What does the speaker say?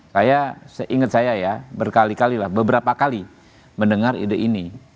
saya seingat saya ya berkali kali lah beberapa kali mendengar ide ini